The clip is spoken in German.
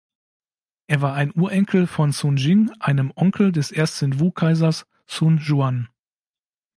Er war ein Urenkel von Sun Jing, einem Onkel des ersten Wu-Kaisers Sun Quan.